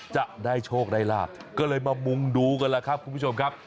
จะได้โชคได้ลาบก็เลยมามุงดูกันแล้วครับคุณผู้ชมครับ